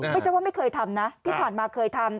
ไม่ใช่ว่าไม่เคยทำนะที่ผ่านมาเคยทำ